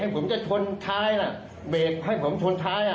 ก็เบรกให้ผมจะทนท้ายน่ะเบรกให้ผมทนท้ายน่ะ